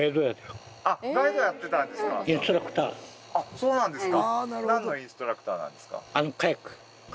そうなんですか。